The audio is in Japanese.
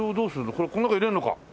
これをこの中に入れるのか。